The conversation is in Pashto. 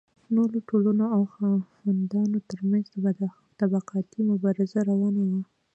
نورو ټولنو او خاوندانو ترمنځ طبقاتي مبارزه روانه وه.